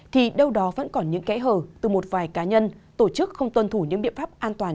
thì đâu đó vẫn còn những kẽ hở từ một vài cá nhân tổ chức không tuân thủ những biện pháp an toàn